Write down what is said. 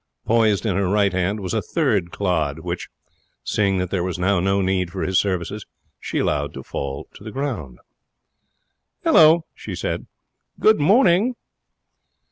Poised in her right hand was a third clod, which, seeing that there was now no need for its services, she allowed to fall to the ground. 'Halloa!' she said. 'Good morning.'